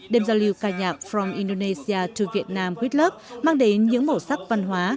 đêm giao lưu ca nhạc from indonesia to vietnam with love mang đến những bổ sắc văn hóa